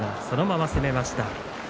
そのまま攻めました。